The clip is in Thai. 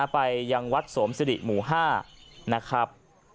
ไปยังวัดโสมสิริหมู่๕นะครับ